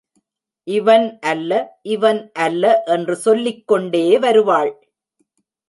இவன் அல்ல, இவன் அல்ல என்று சொல்லிக் கொண்டே வருவாள்.